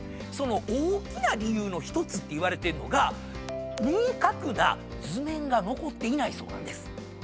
その大きな理由の１つっていわれてるのが明確な図面が残っていないそうなんです。